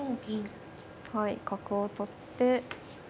はい角を取って。